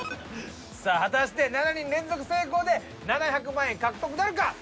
さあ果たして７人連続成功で７００万円獲得なるか！？